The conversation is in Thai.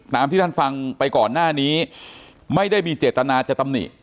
ที่ท่านฟังไปก่อนหน้านี้ไม่ได้มีเจตนาจะตำหนิ